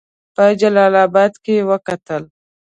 په جلا آباد کې وکتل.